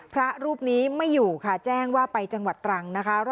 พระรูปนี้ไม่อยู่ค่ะแจ้งว่าไปจังหวัดตรังนะคะ